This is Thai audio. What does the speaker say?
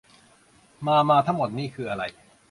มา มา ทั้งหมดนี่คืออะไร